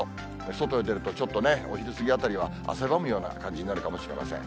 外へ出るとちょっとね、お昼過ぎあたりは汗ばむような感じになるかもしれません。